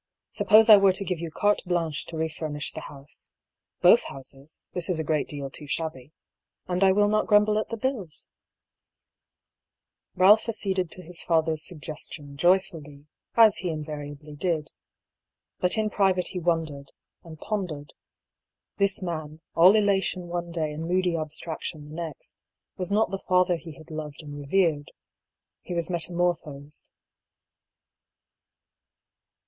" Suppose I were to give you carte blanche to refurnish the house — both houses, this is a great deal too shabby — and I will not grumble at the bills ?" Balph acceded to his father's suggestion joyfully, as he invariably did. But in private he wondered, and pon dered. This man, all elation one day and moody ab straction the next, was not the father he had loved and revered. He was metamorphosed.